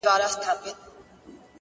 شپه چي تياره سي ،رڼا خوره سي،